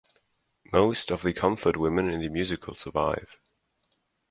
Most of the comfort women in the musical survive.